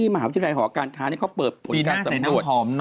เป็นใบหน้าครับแล้วก็